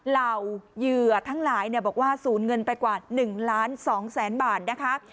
เหล่าเหยื่อทั้งหลายบอกว่าสูญเงินไปกว่า๑ล้าน๒แสนบาทนะคะ